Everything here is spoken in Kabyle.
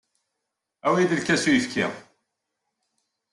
Awi-iyi-d lkas n uyefki.